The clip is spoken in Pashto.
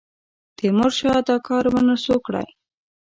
تیمورشاه دا کار ونه سو کړای.